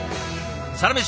「サラメシ」